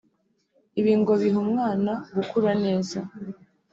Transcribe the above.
Ibi ngo biha umwana gukura neza